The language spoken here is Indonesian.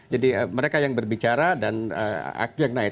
jadi mereka yang berbicara dan aktif yang naik